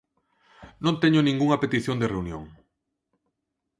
Non teño ningunha petición de reunión.